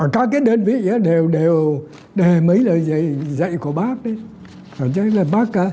các đơn vị đều đề mấy lời dạy của bác